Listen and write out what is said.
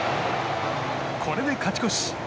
これで勝ち越し。